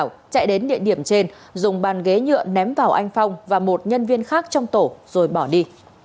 trọng và thảo chạy đến địa điểm trên dùng bàn ghế nhựa ném vào anh phong và một nhân viên khác trong tổ rồi bỏ đi